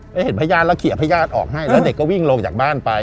แล้วเห็นพญาติแล้วเขียพญาติออกให้แล้วเด็กก็วิ่งลงจากบ้านไป